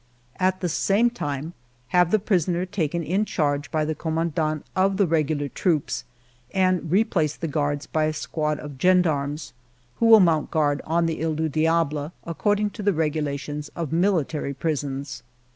At the same time have the prisoner taken in charge by the commandant of the regular troops and replace the guards by a squad of gendarmes, who will mount guard on the He du Diable, according to the regulations of military prisons.